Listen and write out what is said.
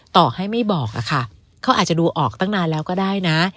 ต่อให้ไม่บอกอะค่ะเขาอาจจะดูออกตั้งนานแล้วก็ได้นะ